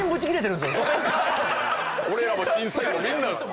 俺らも審査員もみんな。